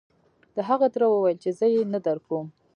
د هغه تره وويل چې زه يې نه درکوم.